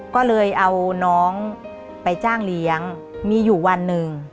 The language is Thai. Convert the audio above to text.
ก็เลยเอาน้องไปจ้างเลี้ยงมีอยู่วันหนึ่ง